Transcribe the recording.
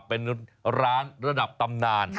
เป็นร้านระดับตำนาน